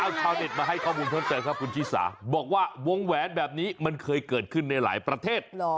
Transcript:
เอาชาวเน็ตมาให้ข้อมูลเพิ่มเติมครับคุณชิสาบอกว่าวงแหวนแบบนี้มันเคยเกิดขึ้นในหลายประเทศ